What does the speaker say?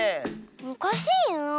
おかしいなあ。